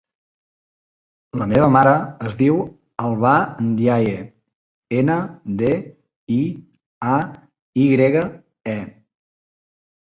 La meva mare es diu Albà Ndiaye: ena, de, i, a, i grega, e.